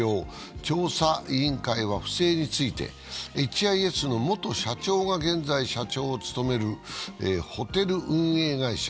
調査委員会は不正についてエイチ・アイ・エスの元社長が現在社長を務めるホテル運営会社